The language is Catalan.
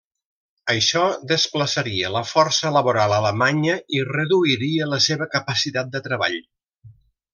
Això desplaçaria la força laboral alemanya i reduiria la seva capacitat de treball.